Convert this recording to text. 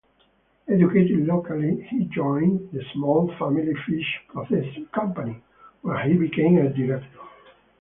Educated locally, he joined the small family fish-processing company, where he became a director.